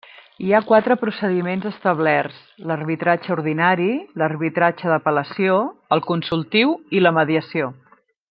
Hi ha quatre procediments establerts: l'arbitratge ordinari, l'arbitratge d'apel·lació, el consultiu i la mediació.